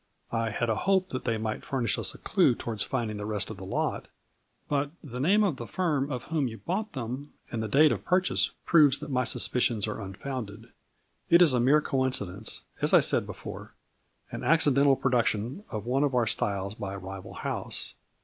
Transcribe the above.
I had a hope that they might furnish us a clue towards find ing the rest of the lot, but the name of the firm of whom you bought them, and the date of pur chase, proves that my suspicions are unfounded. It is a mere coincidence, as I said before, an accidental production of one of our styles by a rival house.